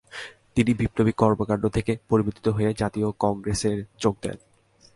তিনি বিপ্লবী কর্মকান্ড থেকে পরিবর্তিত হয়ে জাতীয় কংগ্রেসের যোগ দেন।